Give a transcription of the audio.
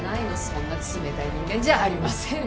そんな冷たい人間じゃありません。